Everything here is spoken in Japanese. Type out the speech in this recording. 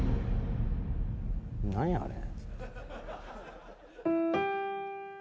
何やあれ。